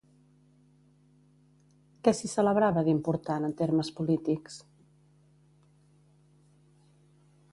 Què s'hi celebrava d'important, en termes polítics?